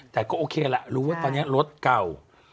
แต่ก็โอเคแหละรู้ว่าตอนนี้รถเก่า